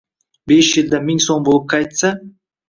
Besh yilda ming so‘m bo‘lib qaytsa.